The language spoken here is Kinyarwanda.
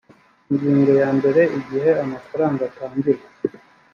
ingingo yambere igihe amafaranga atangirwa